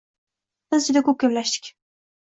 Biz juda ko'p gaplashdik